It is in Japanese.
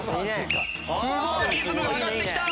リズムが上がってきた。